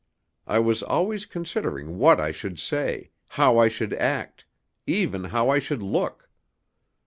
I was always considering what I should say, how I should act, even how I should look.